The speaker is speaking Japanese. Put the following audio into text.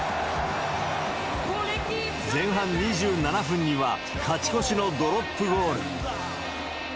前半２７分には、勝ち越しのドロップゴール。